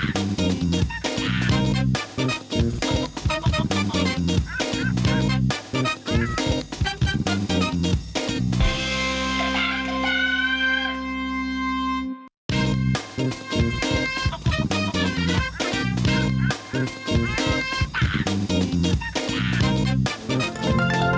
โปรดติดตามตอนต่อไป